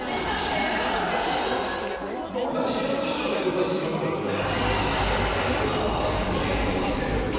俺だって志らく師匠のエゴサーチしますから俺は。